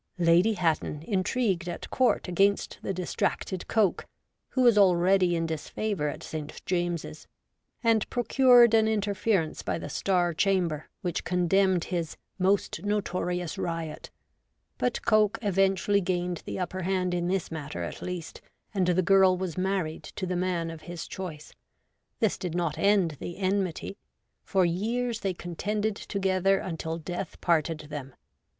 Lady Hatton intrigued at Court against the distracted Coke, who was already in disfavour at St. James's, and procured an interference by the Star Chamber, which condemned his ' most notorious riot ;' but Coke eventually gained the upper hand in this matter at least, and the girl was married to the man of his choice. This did not end the enmity. For years they contended together until death parted them.